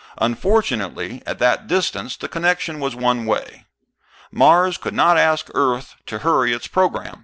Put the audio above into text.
Unfortunately, at that distance, the connection was one way. Mars could not ask Earth to hurry its program.